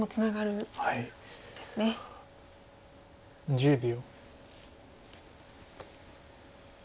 １０秒。